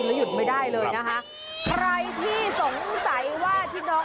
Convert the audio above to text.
ตั้งมาใหม่นี่มันจะนิ่มหอมอร่อย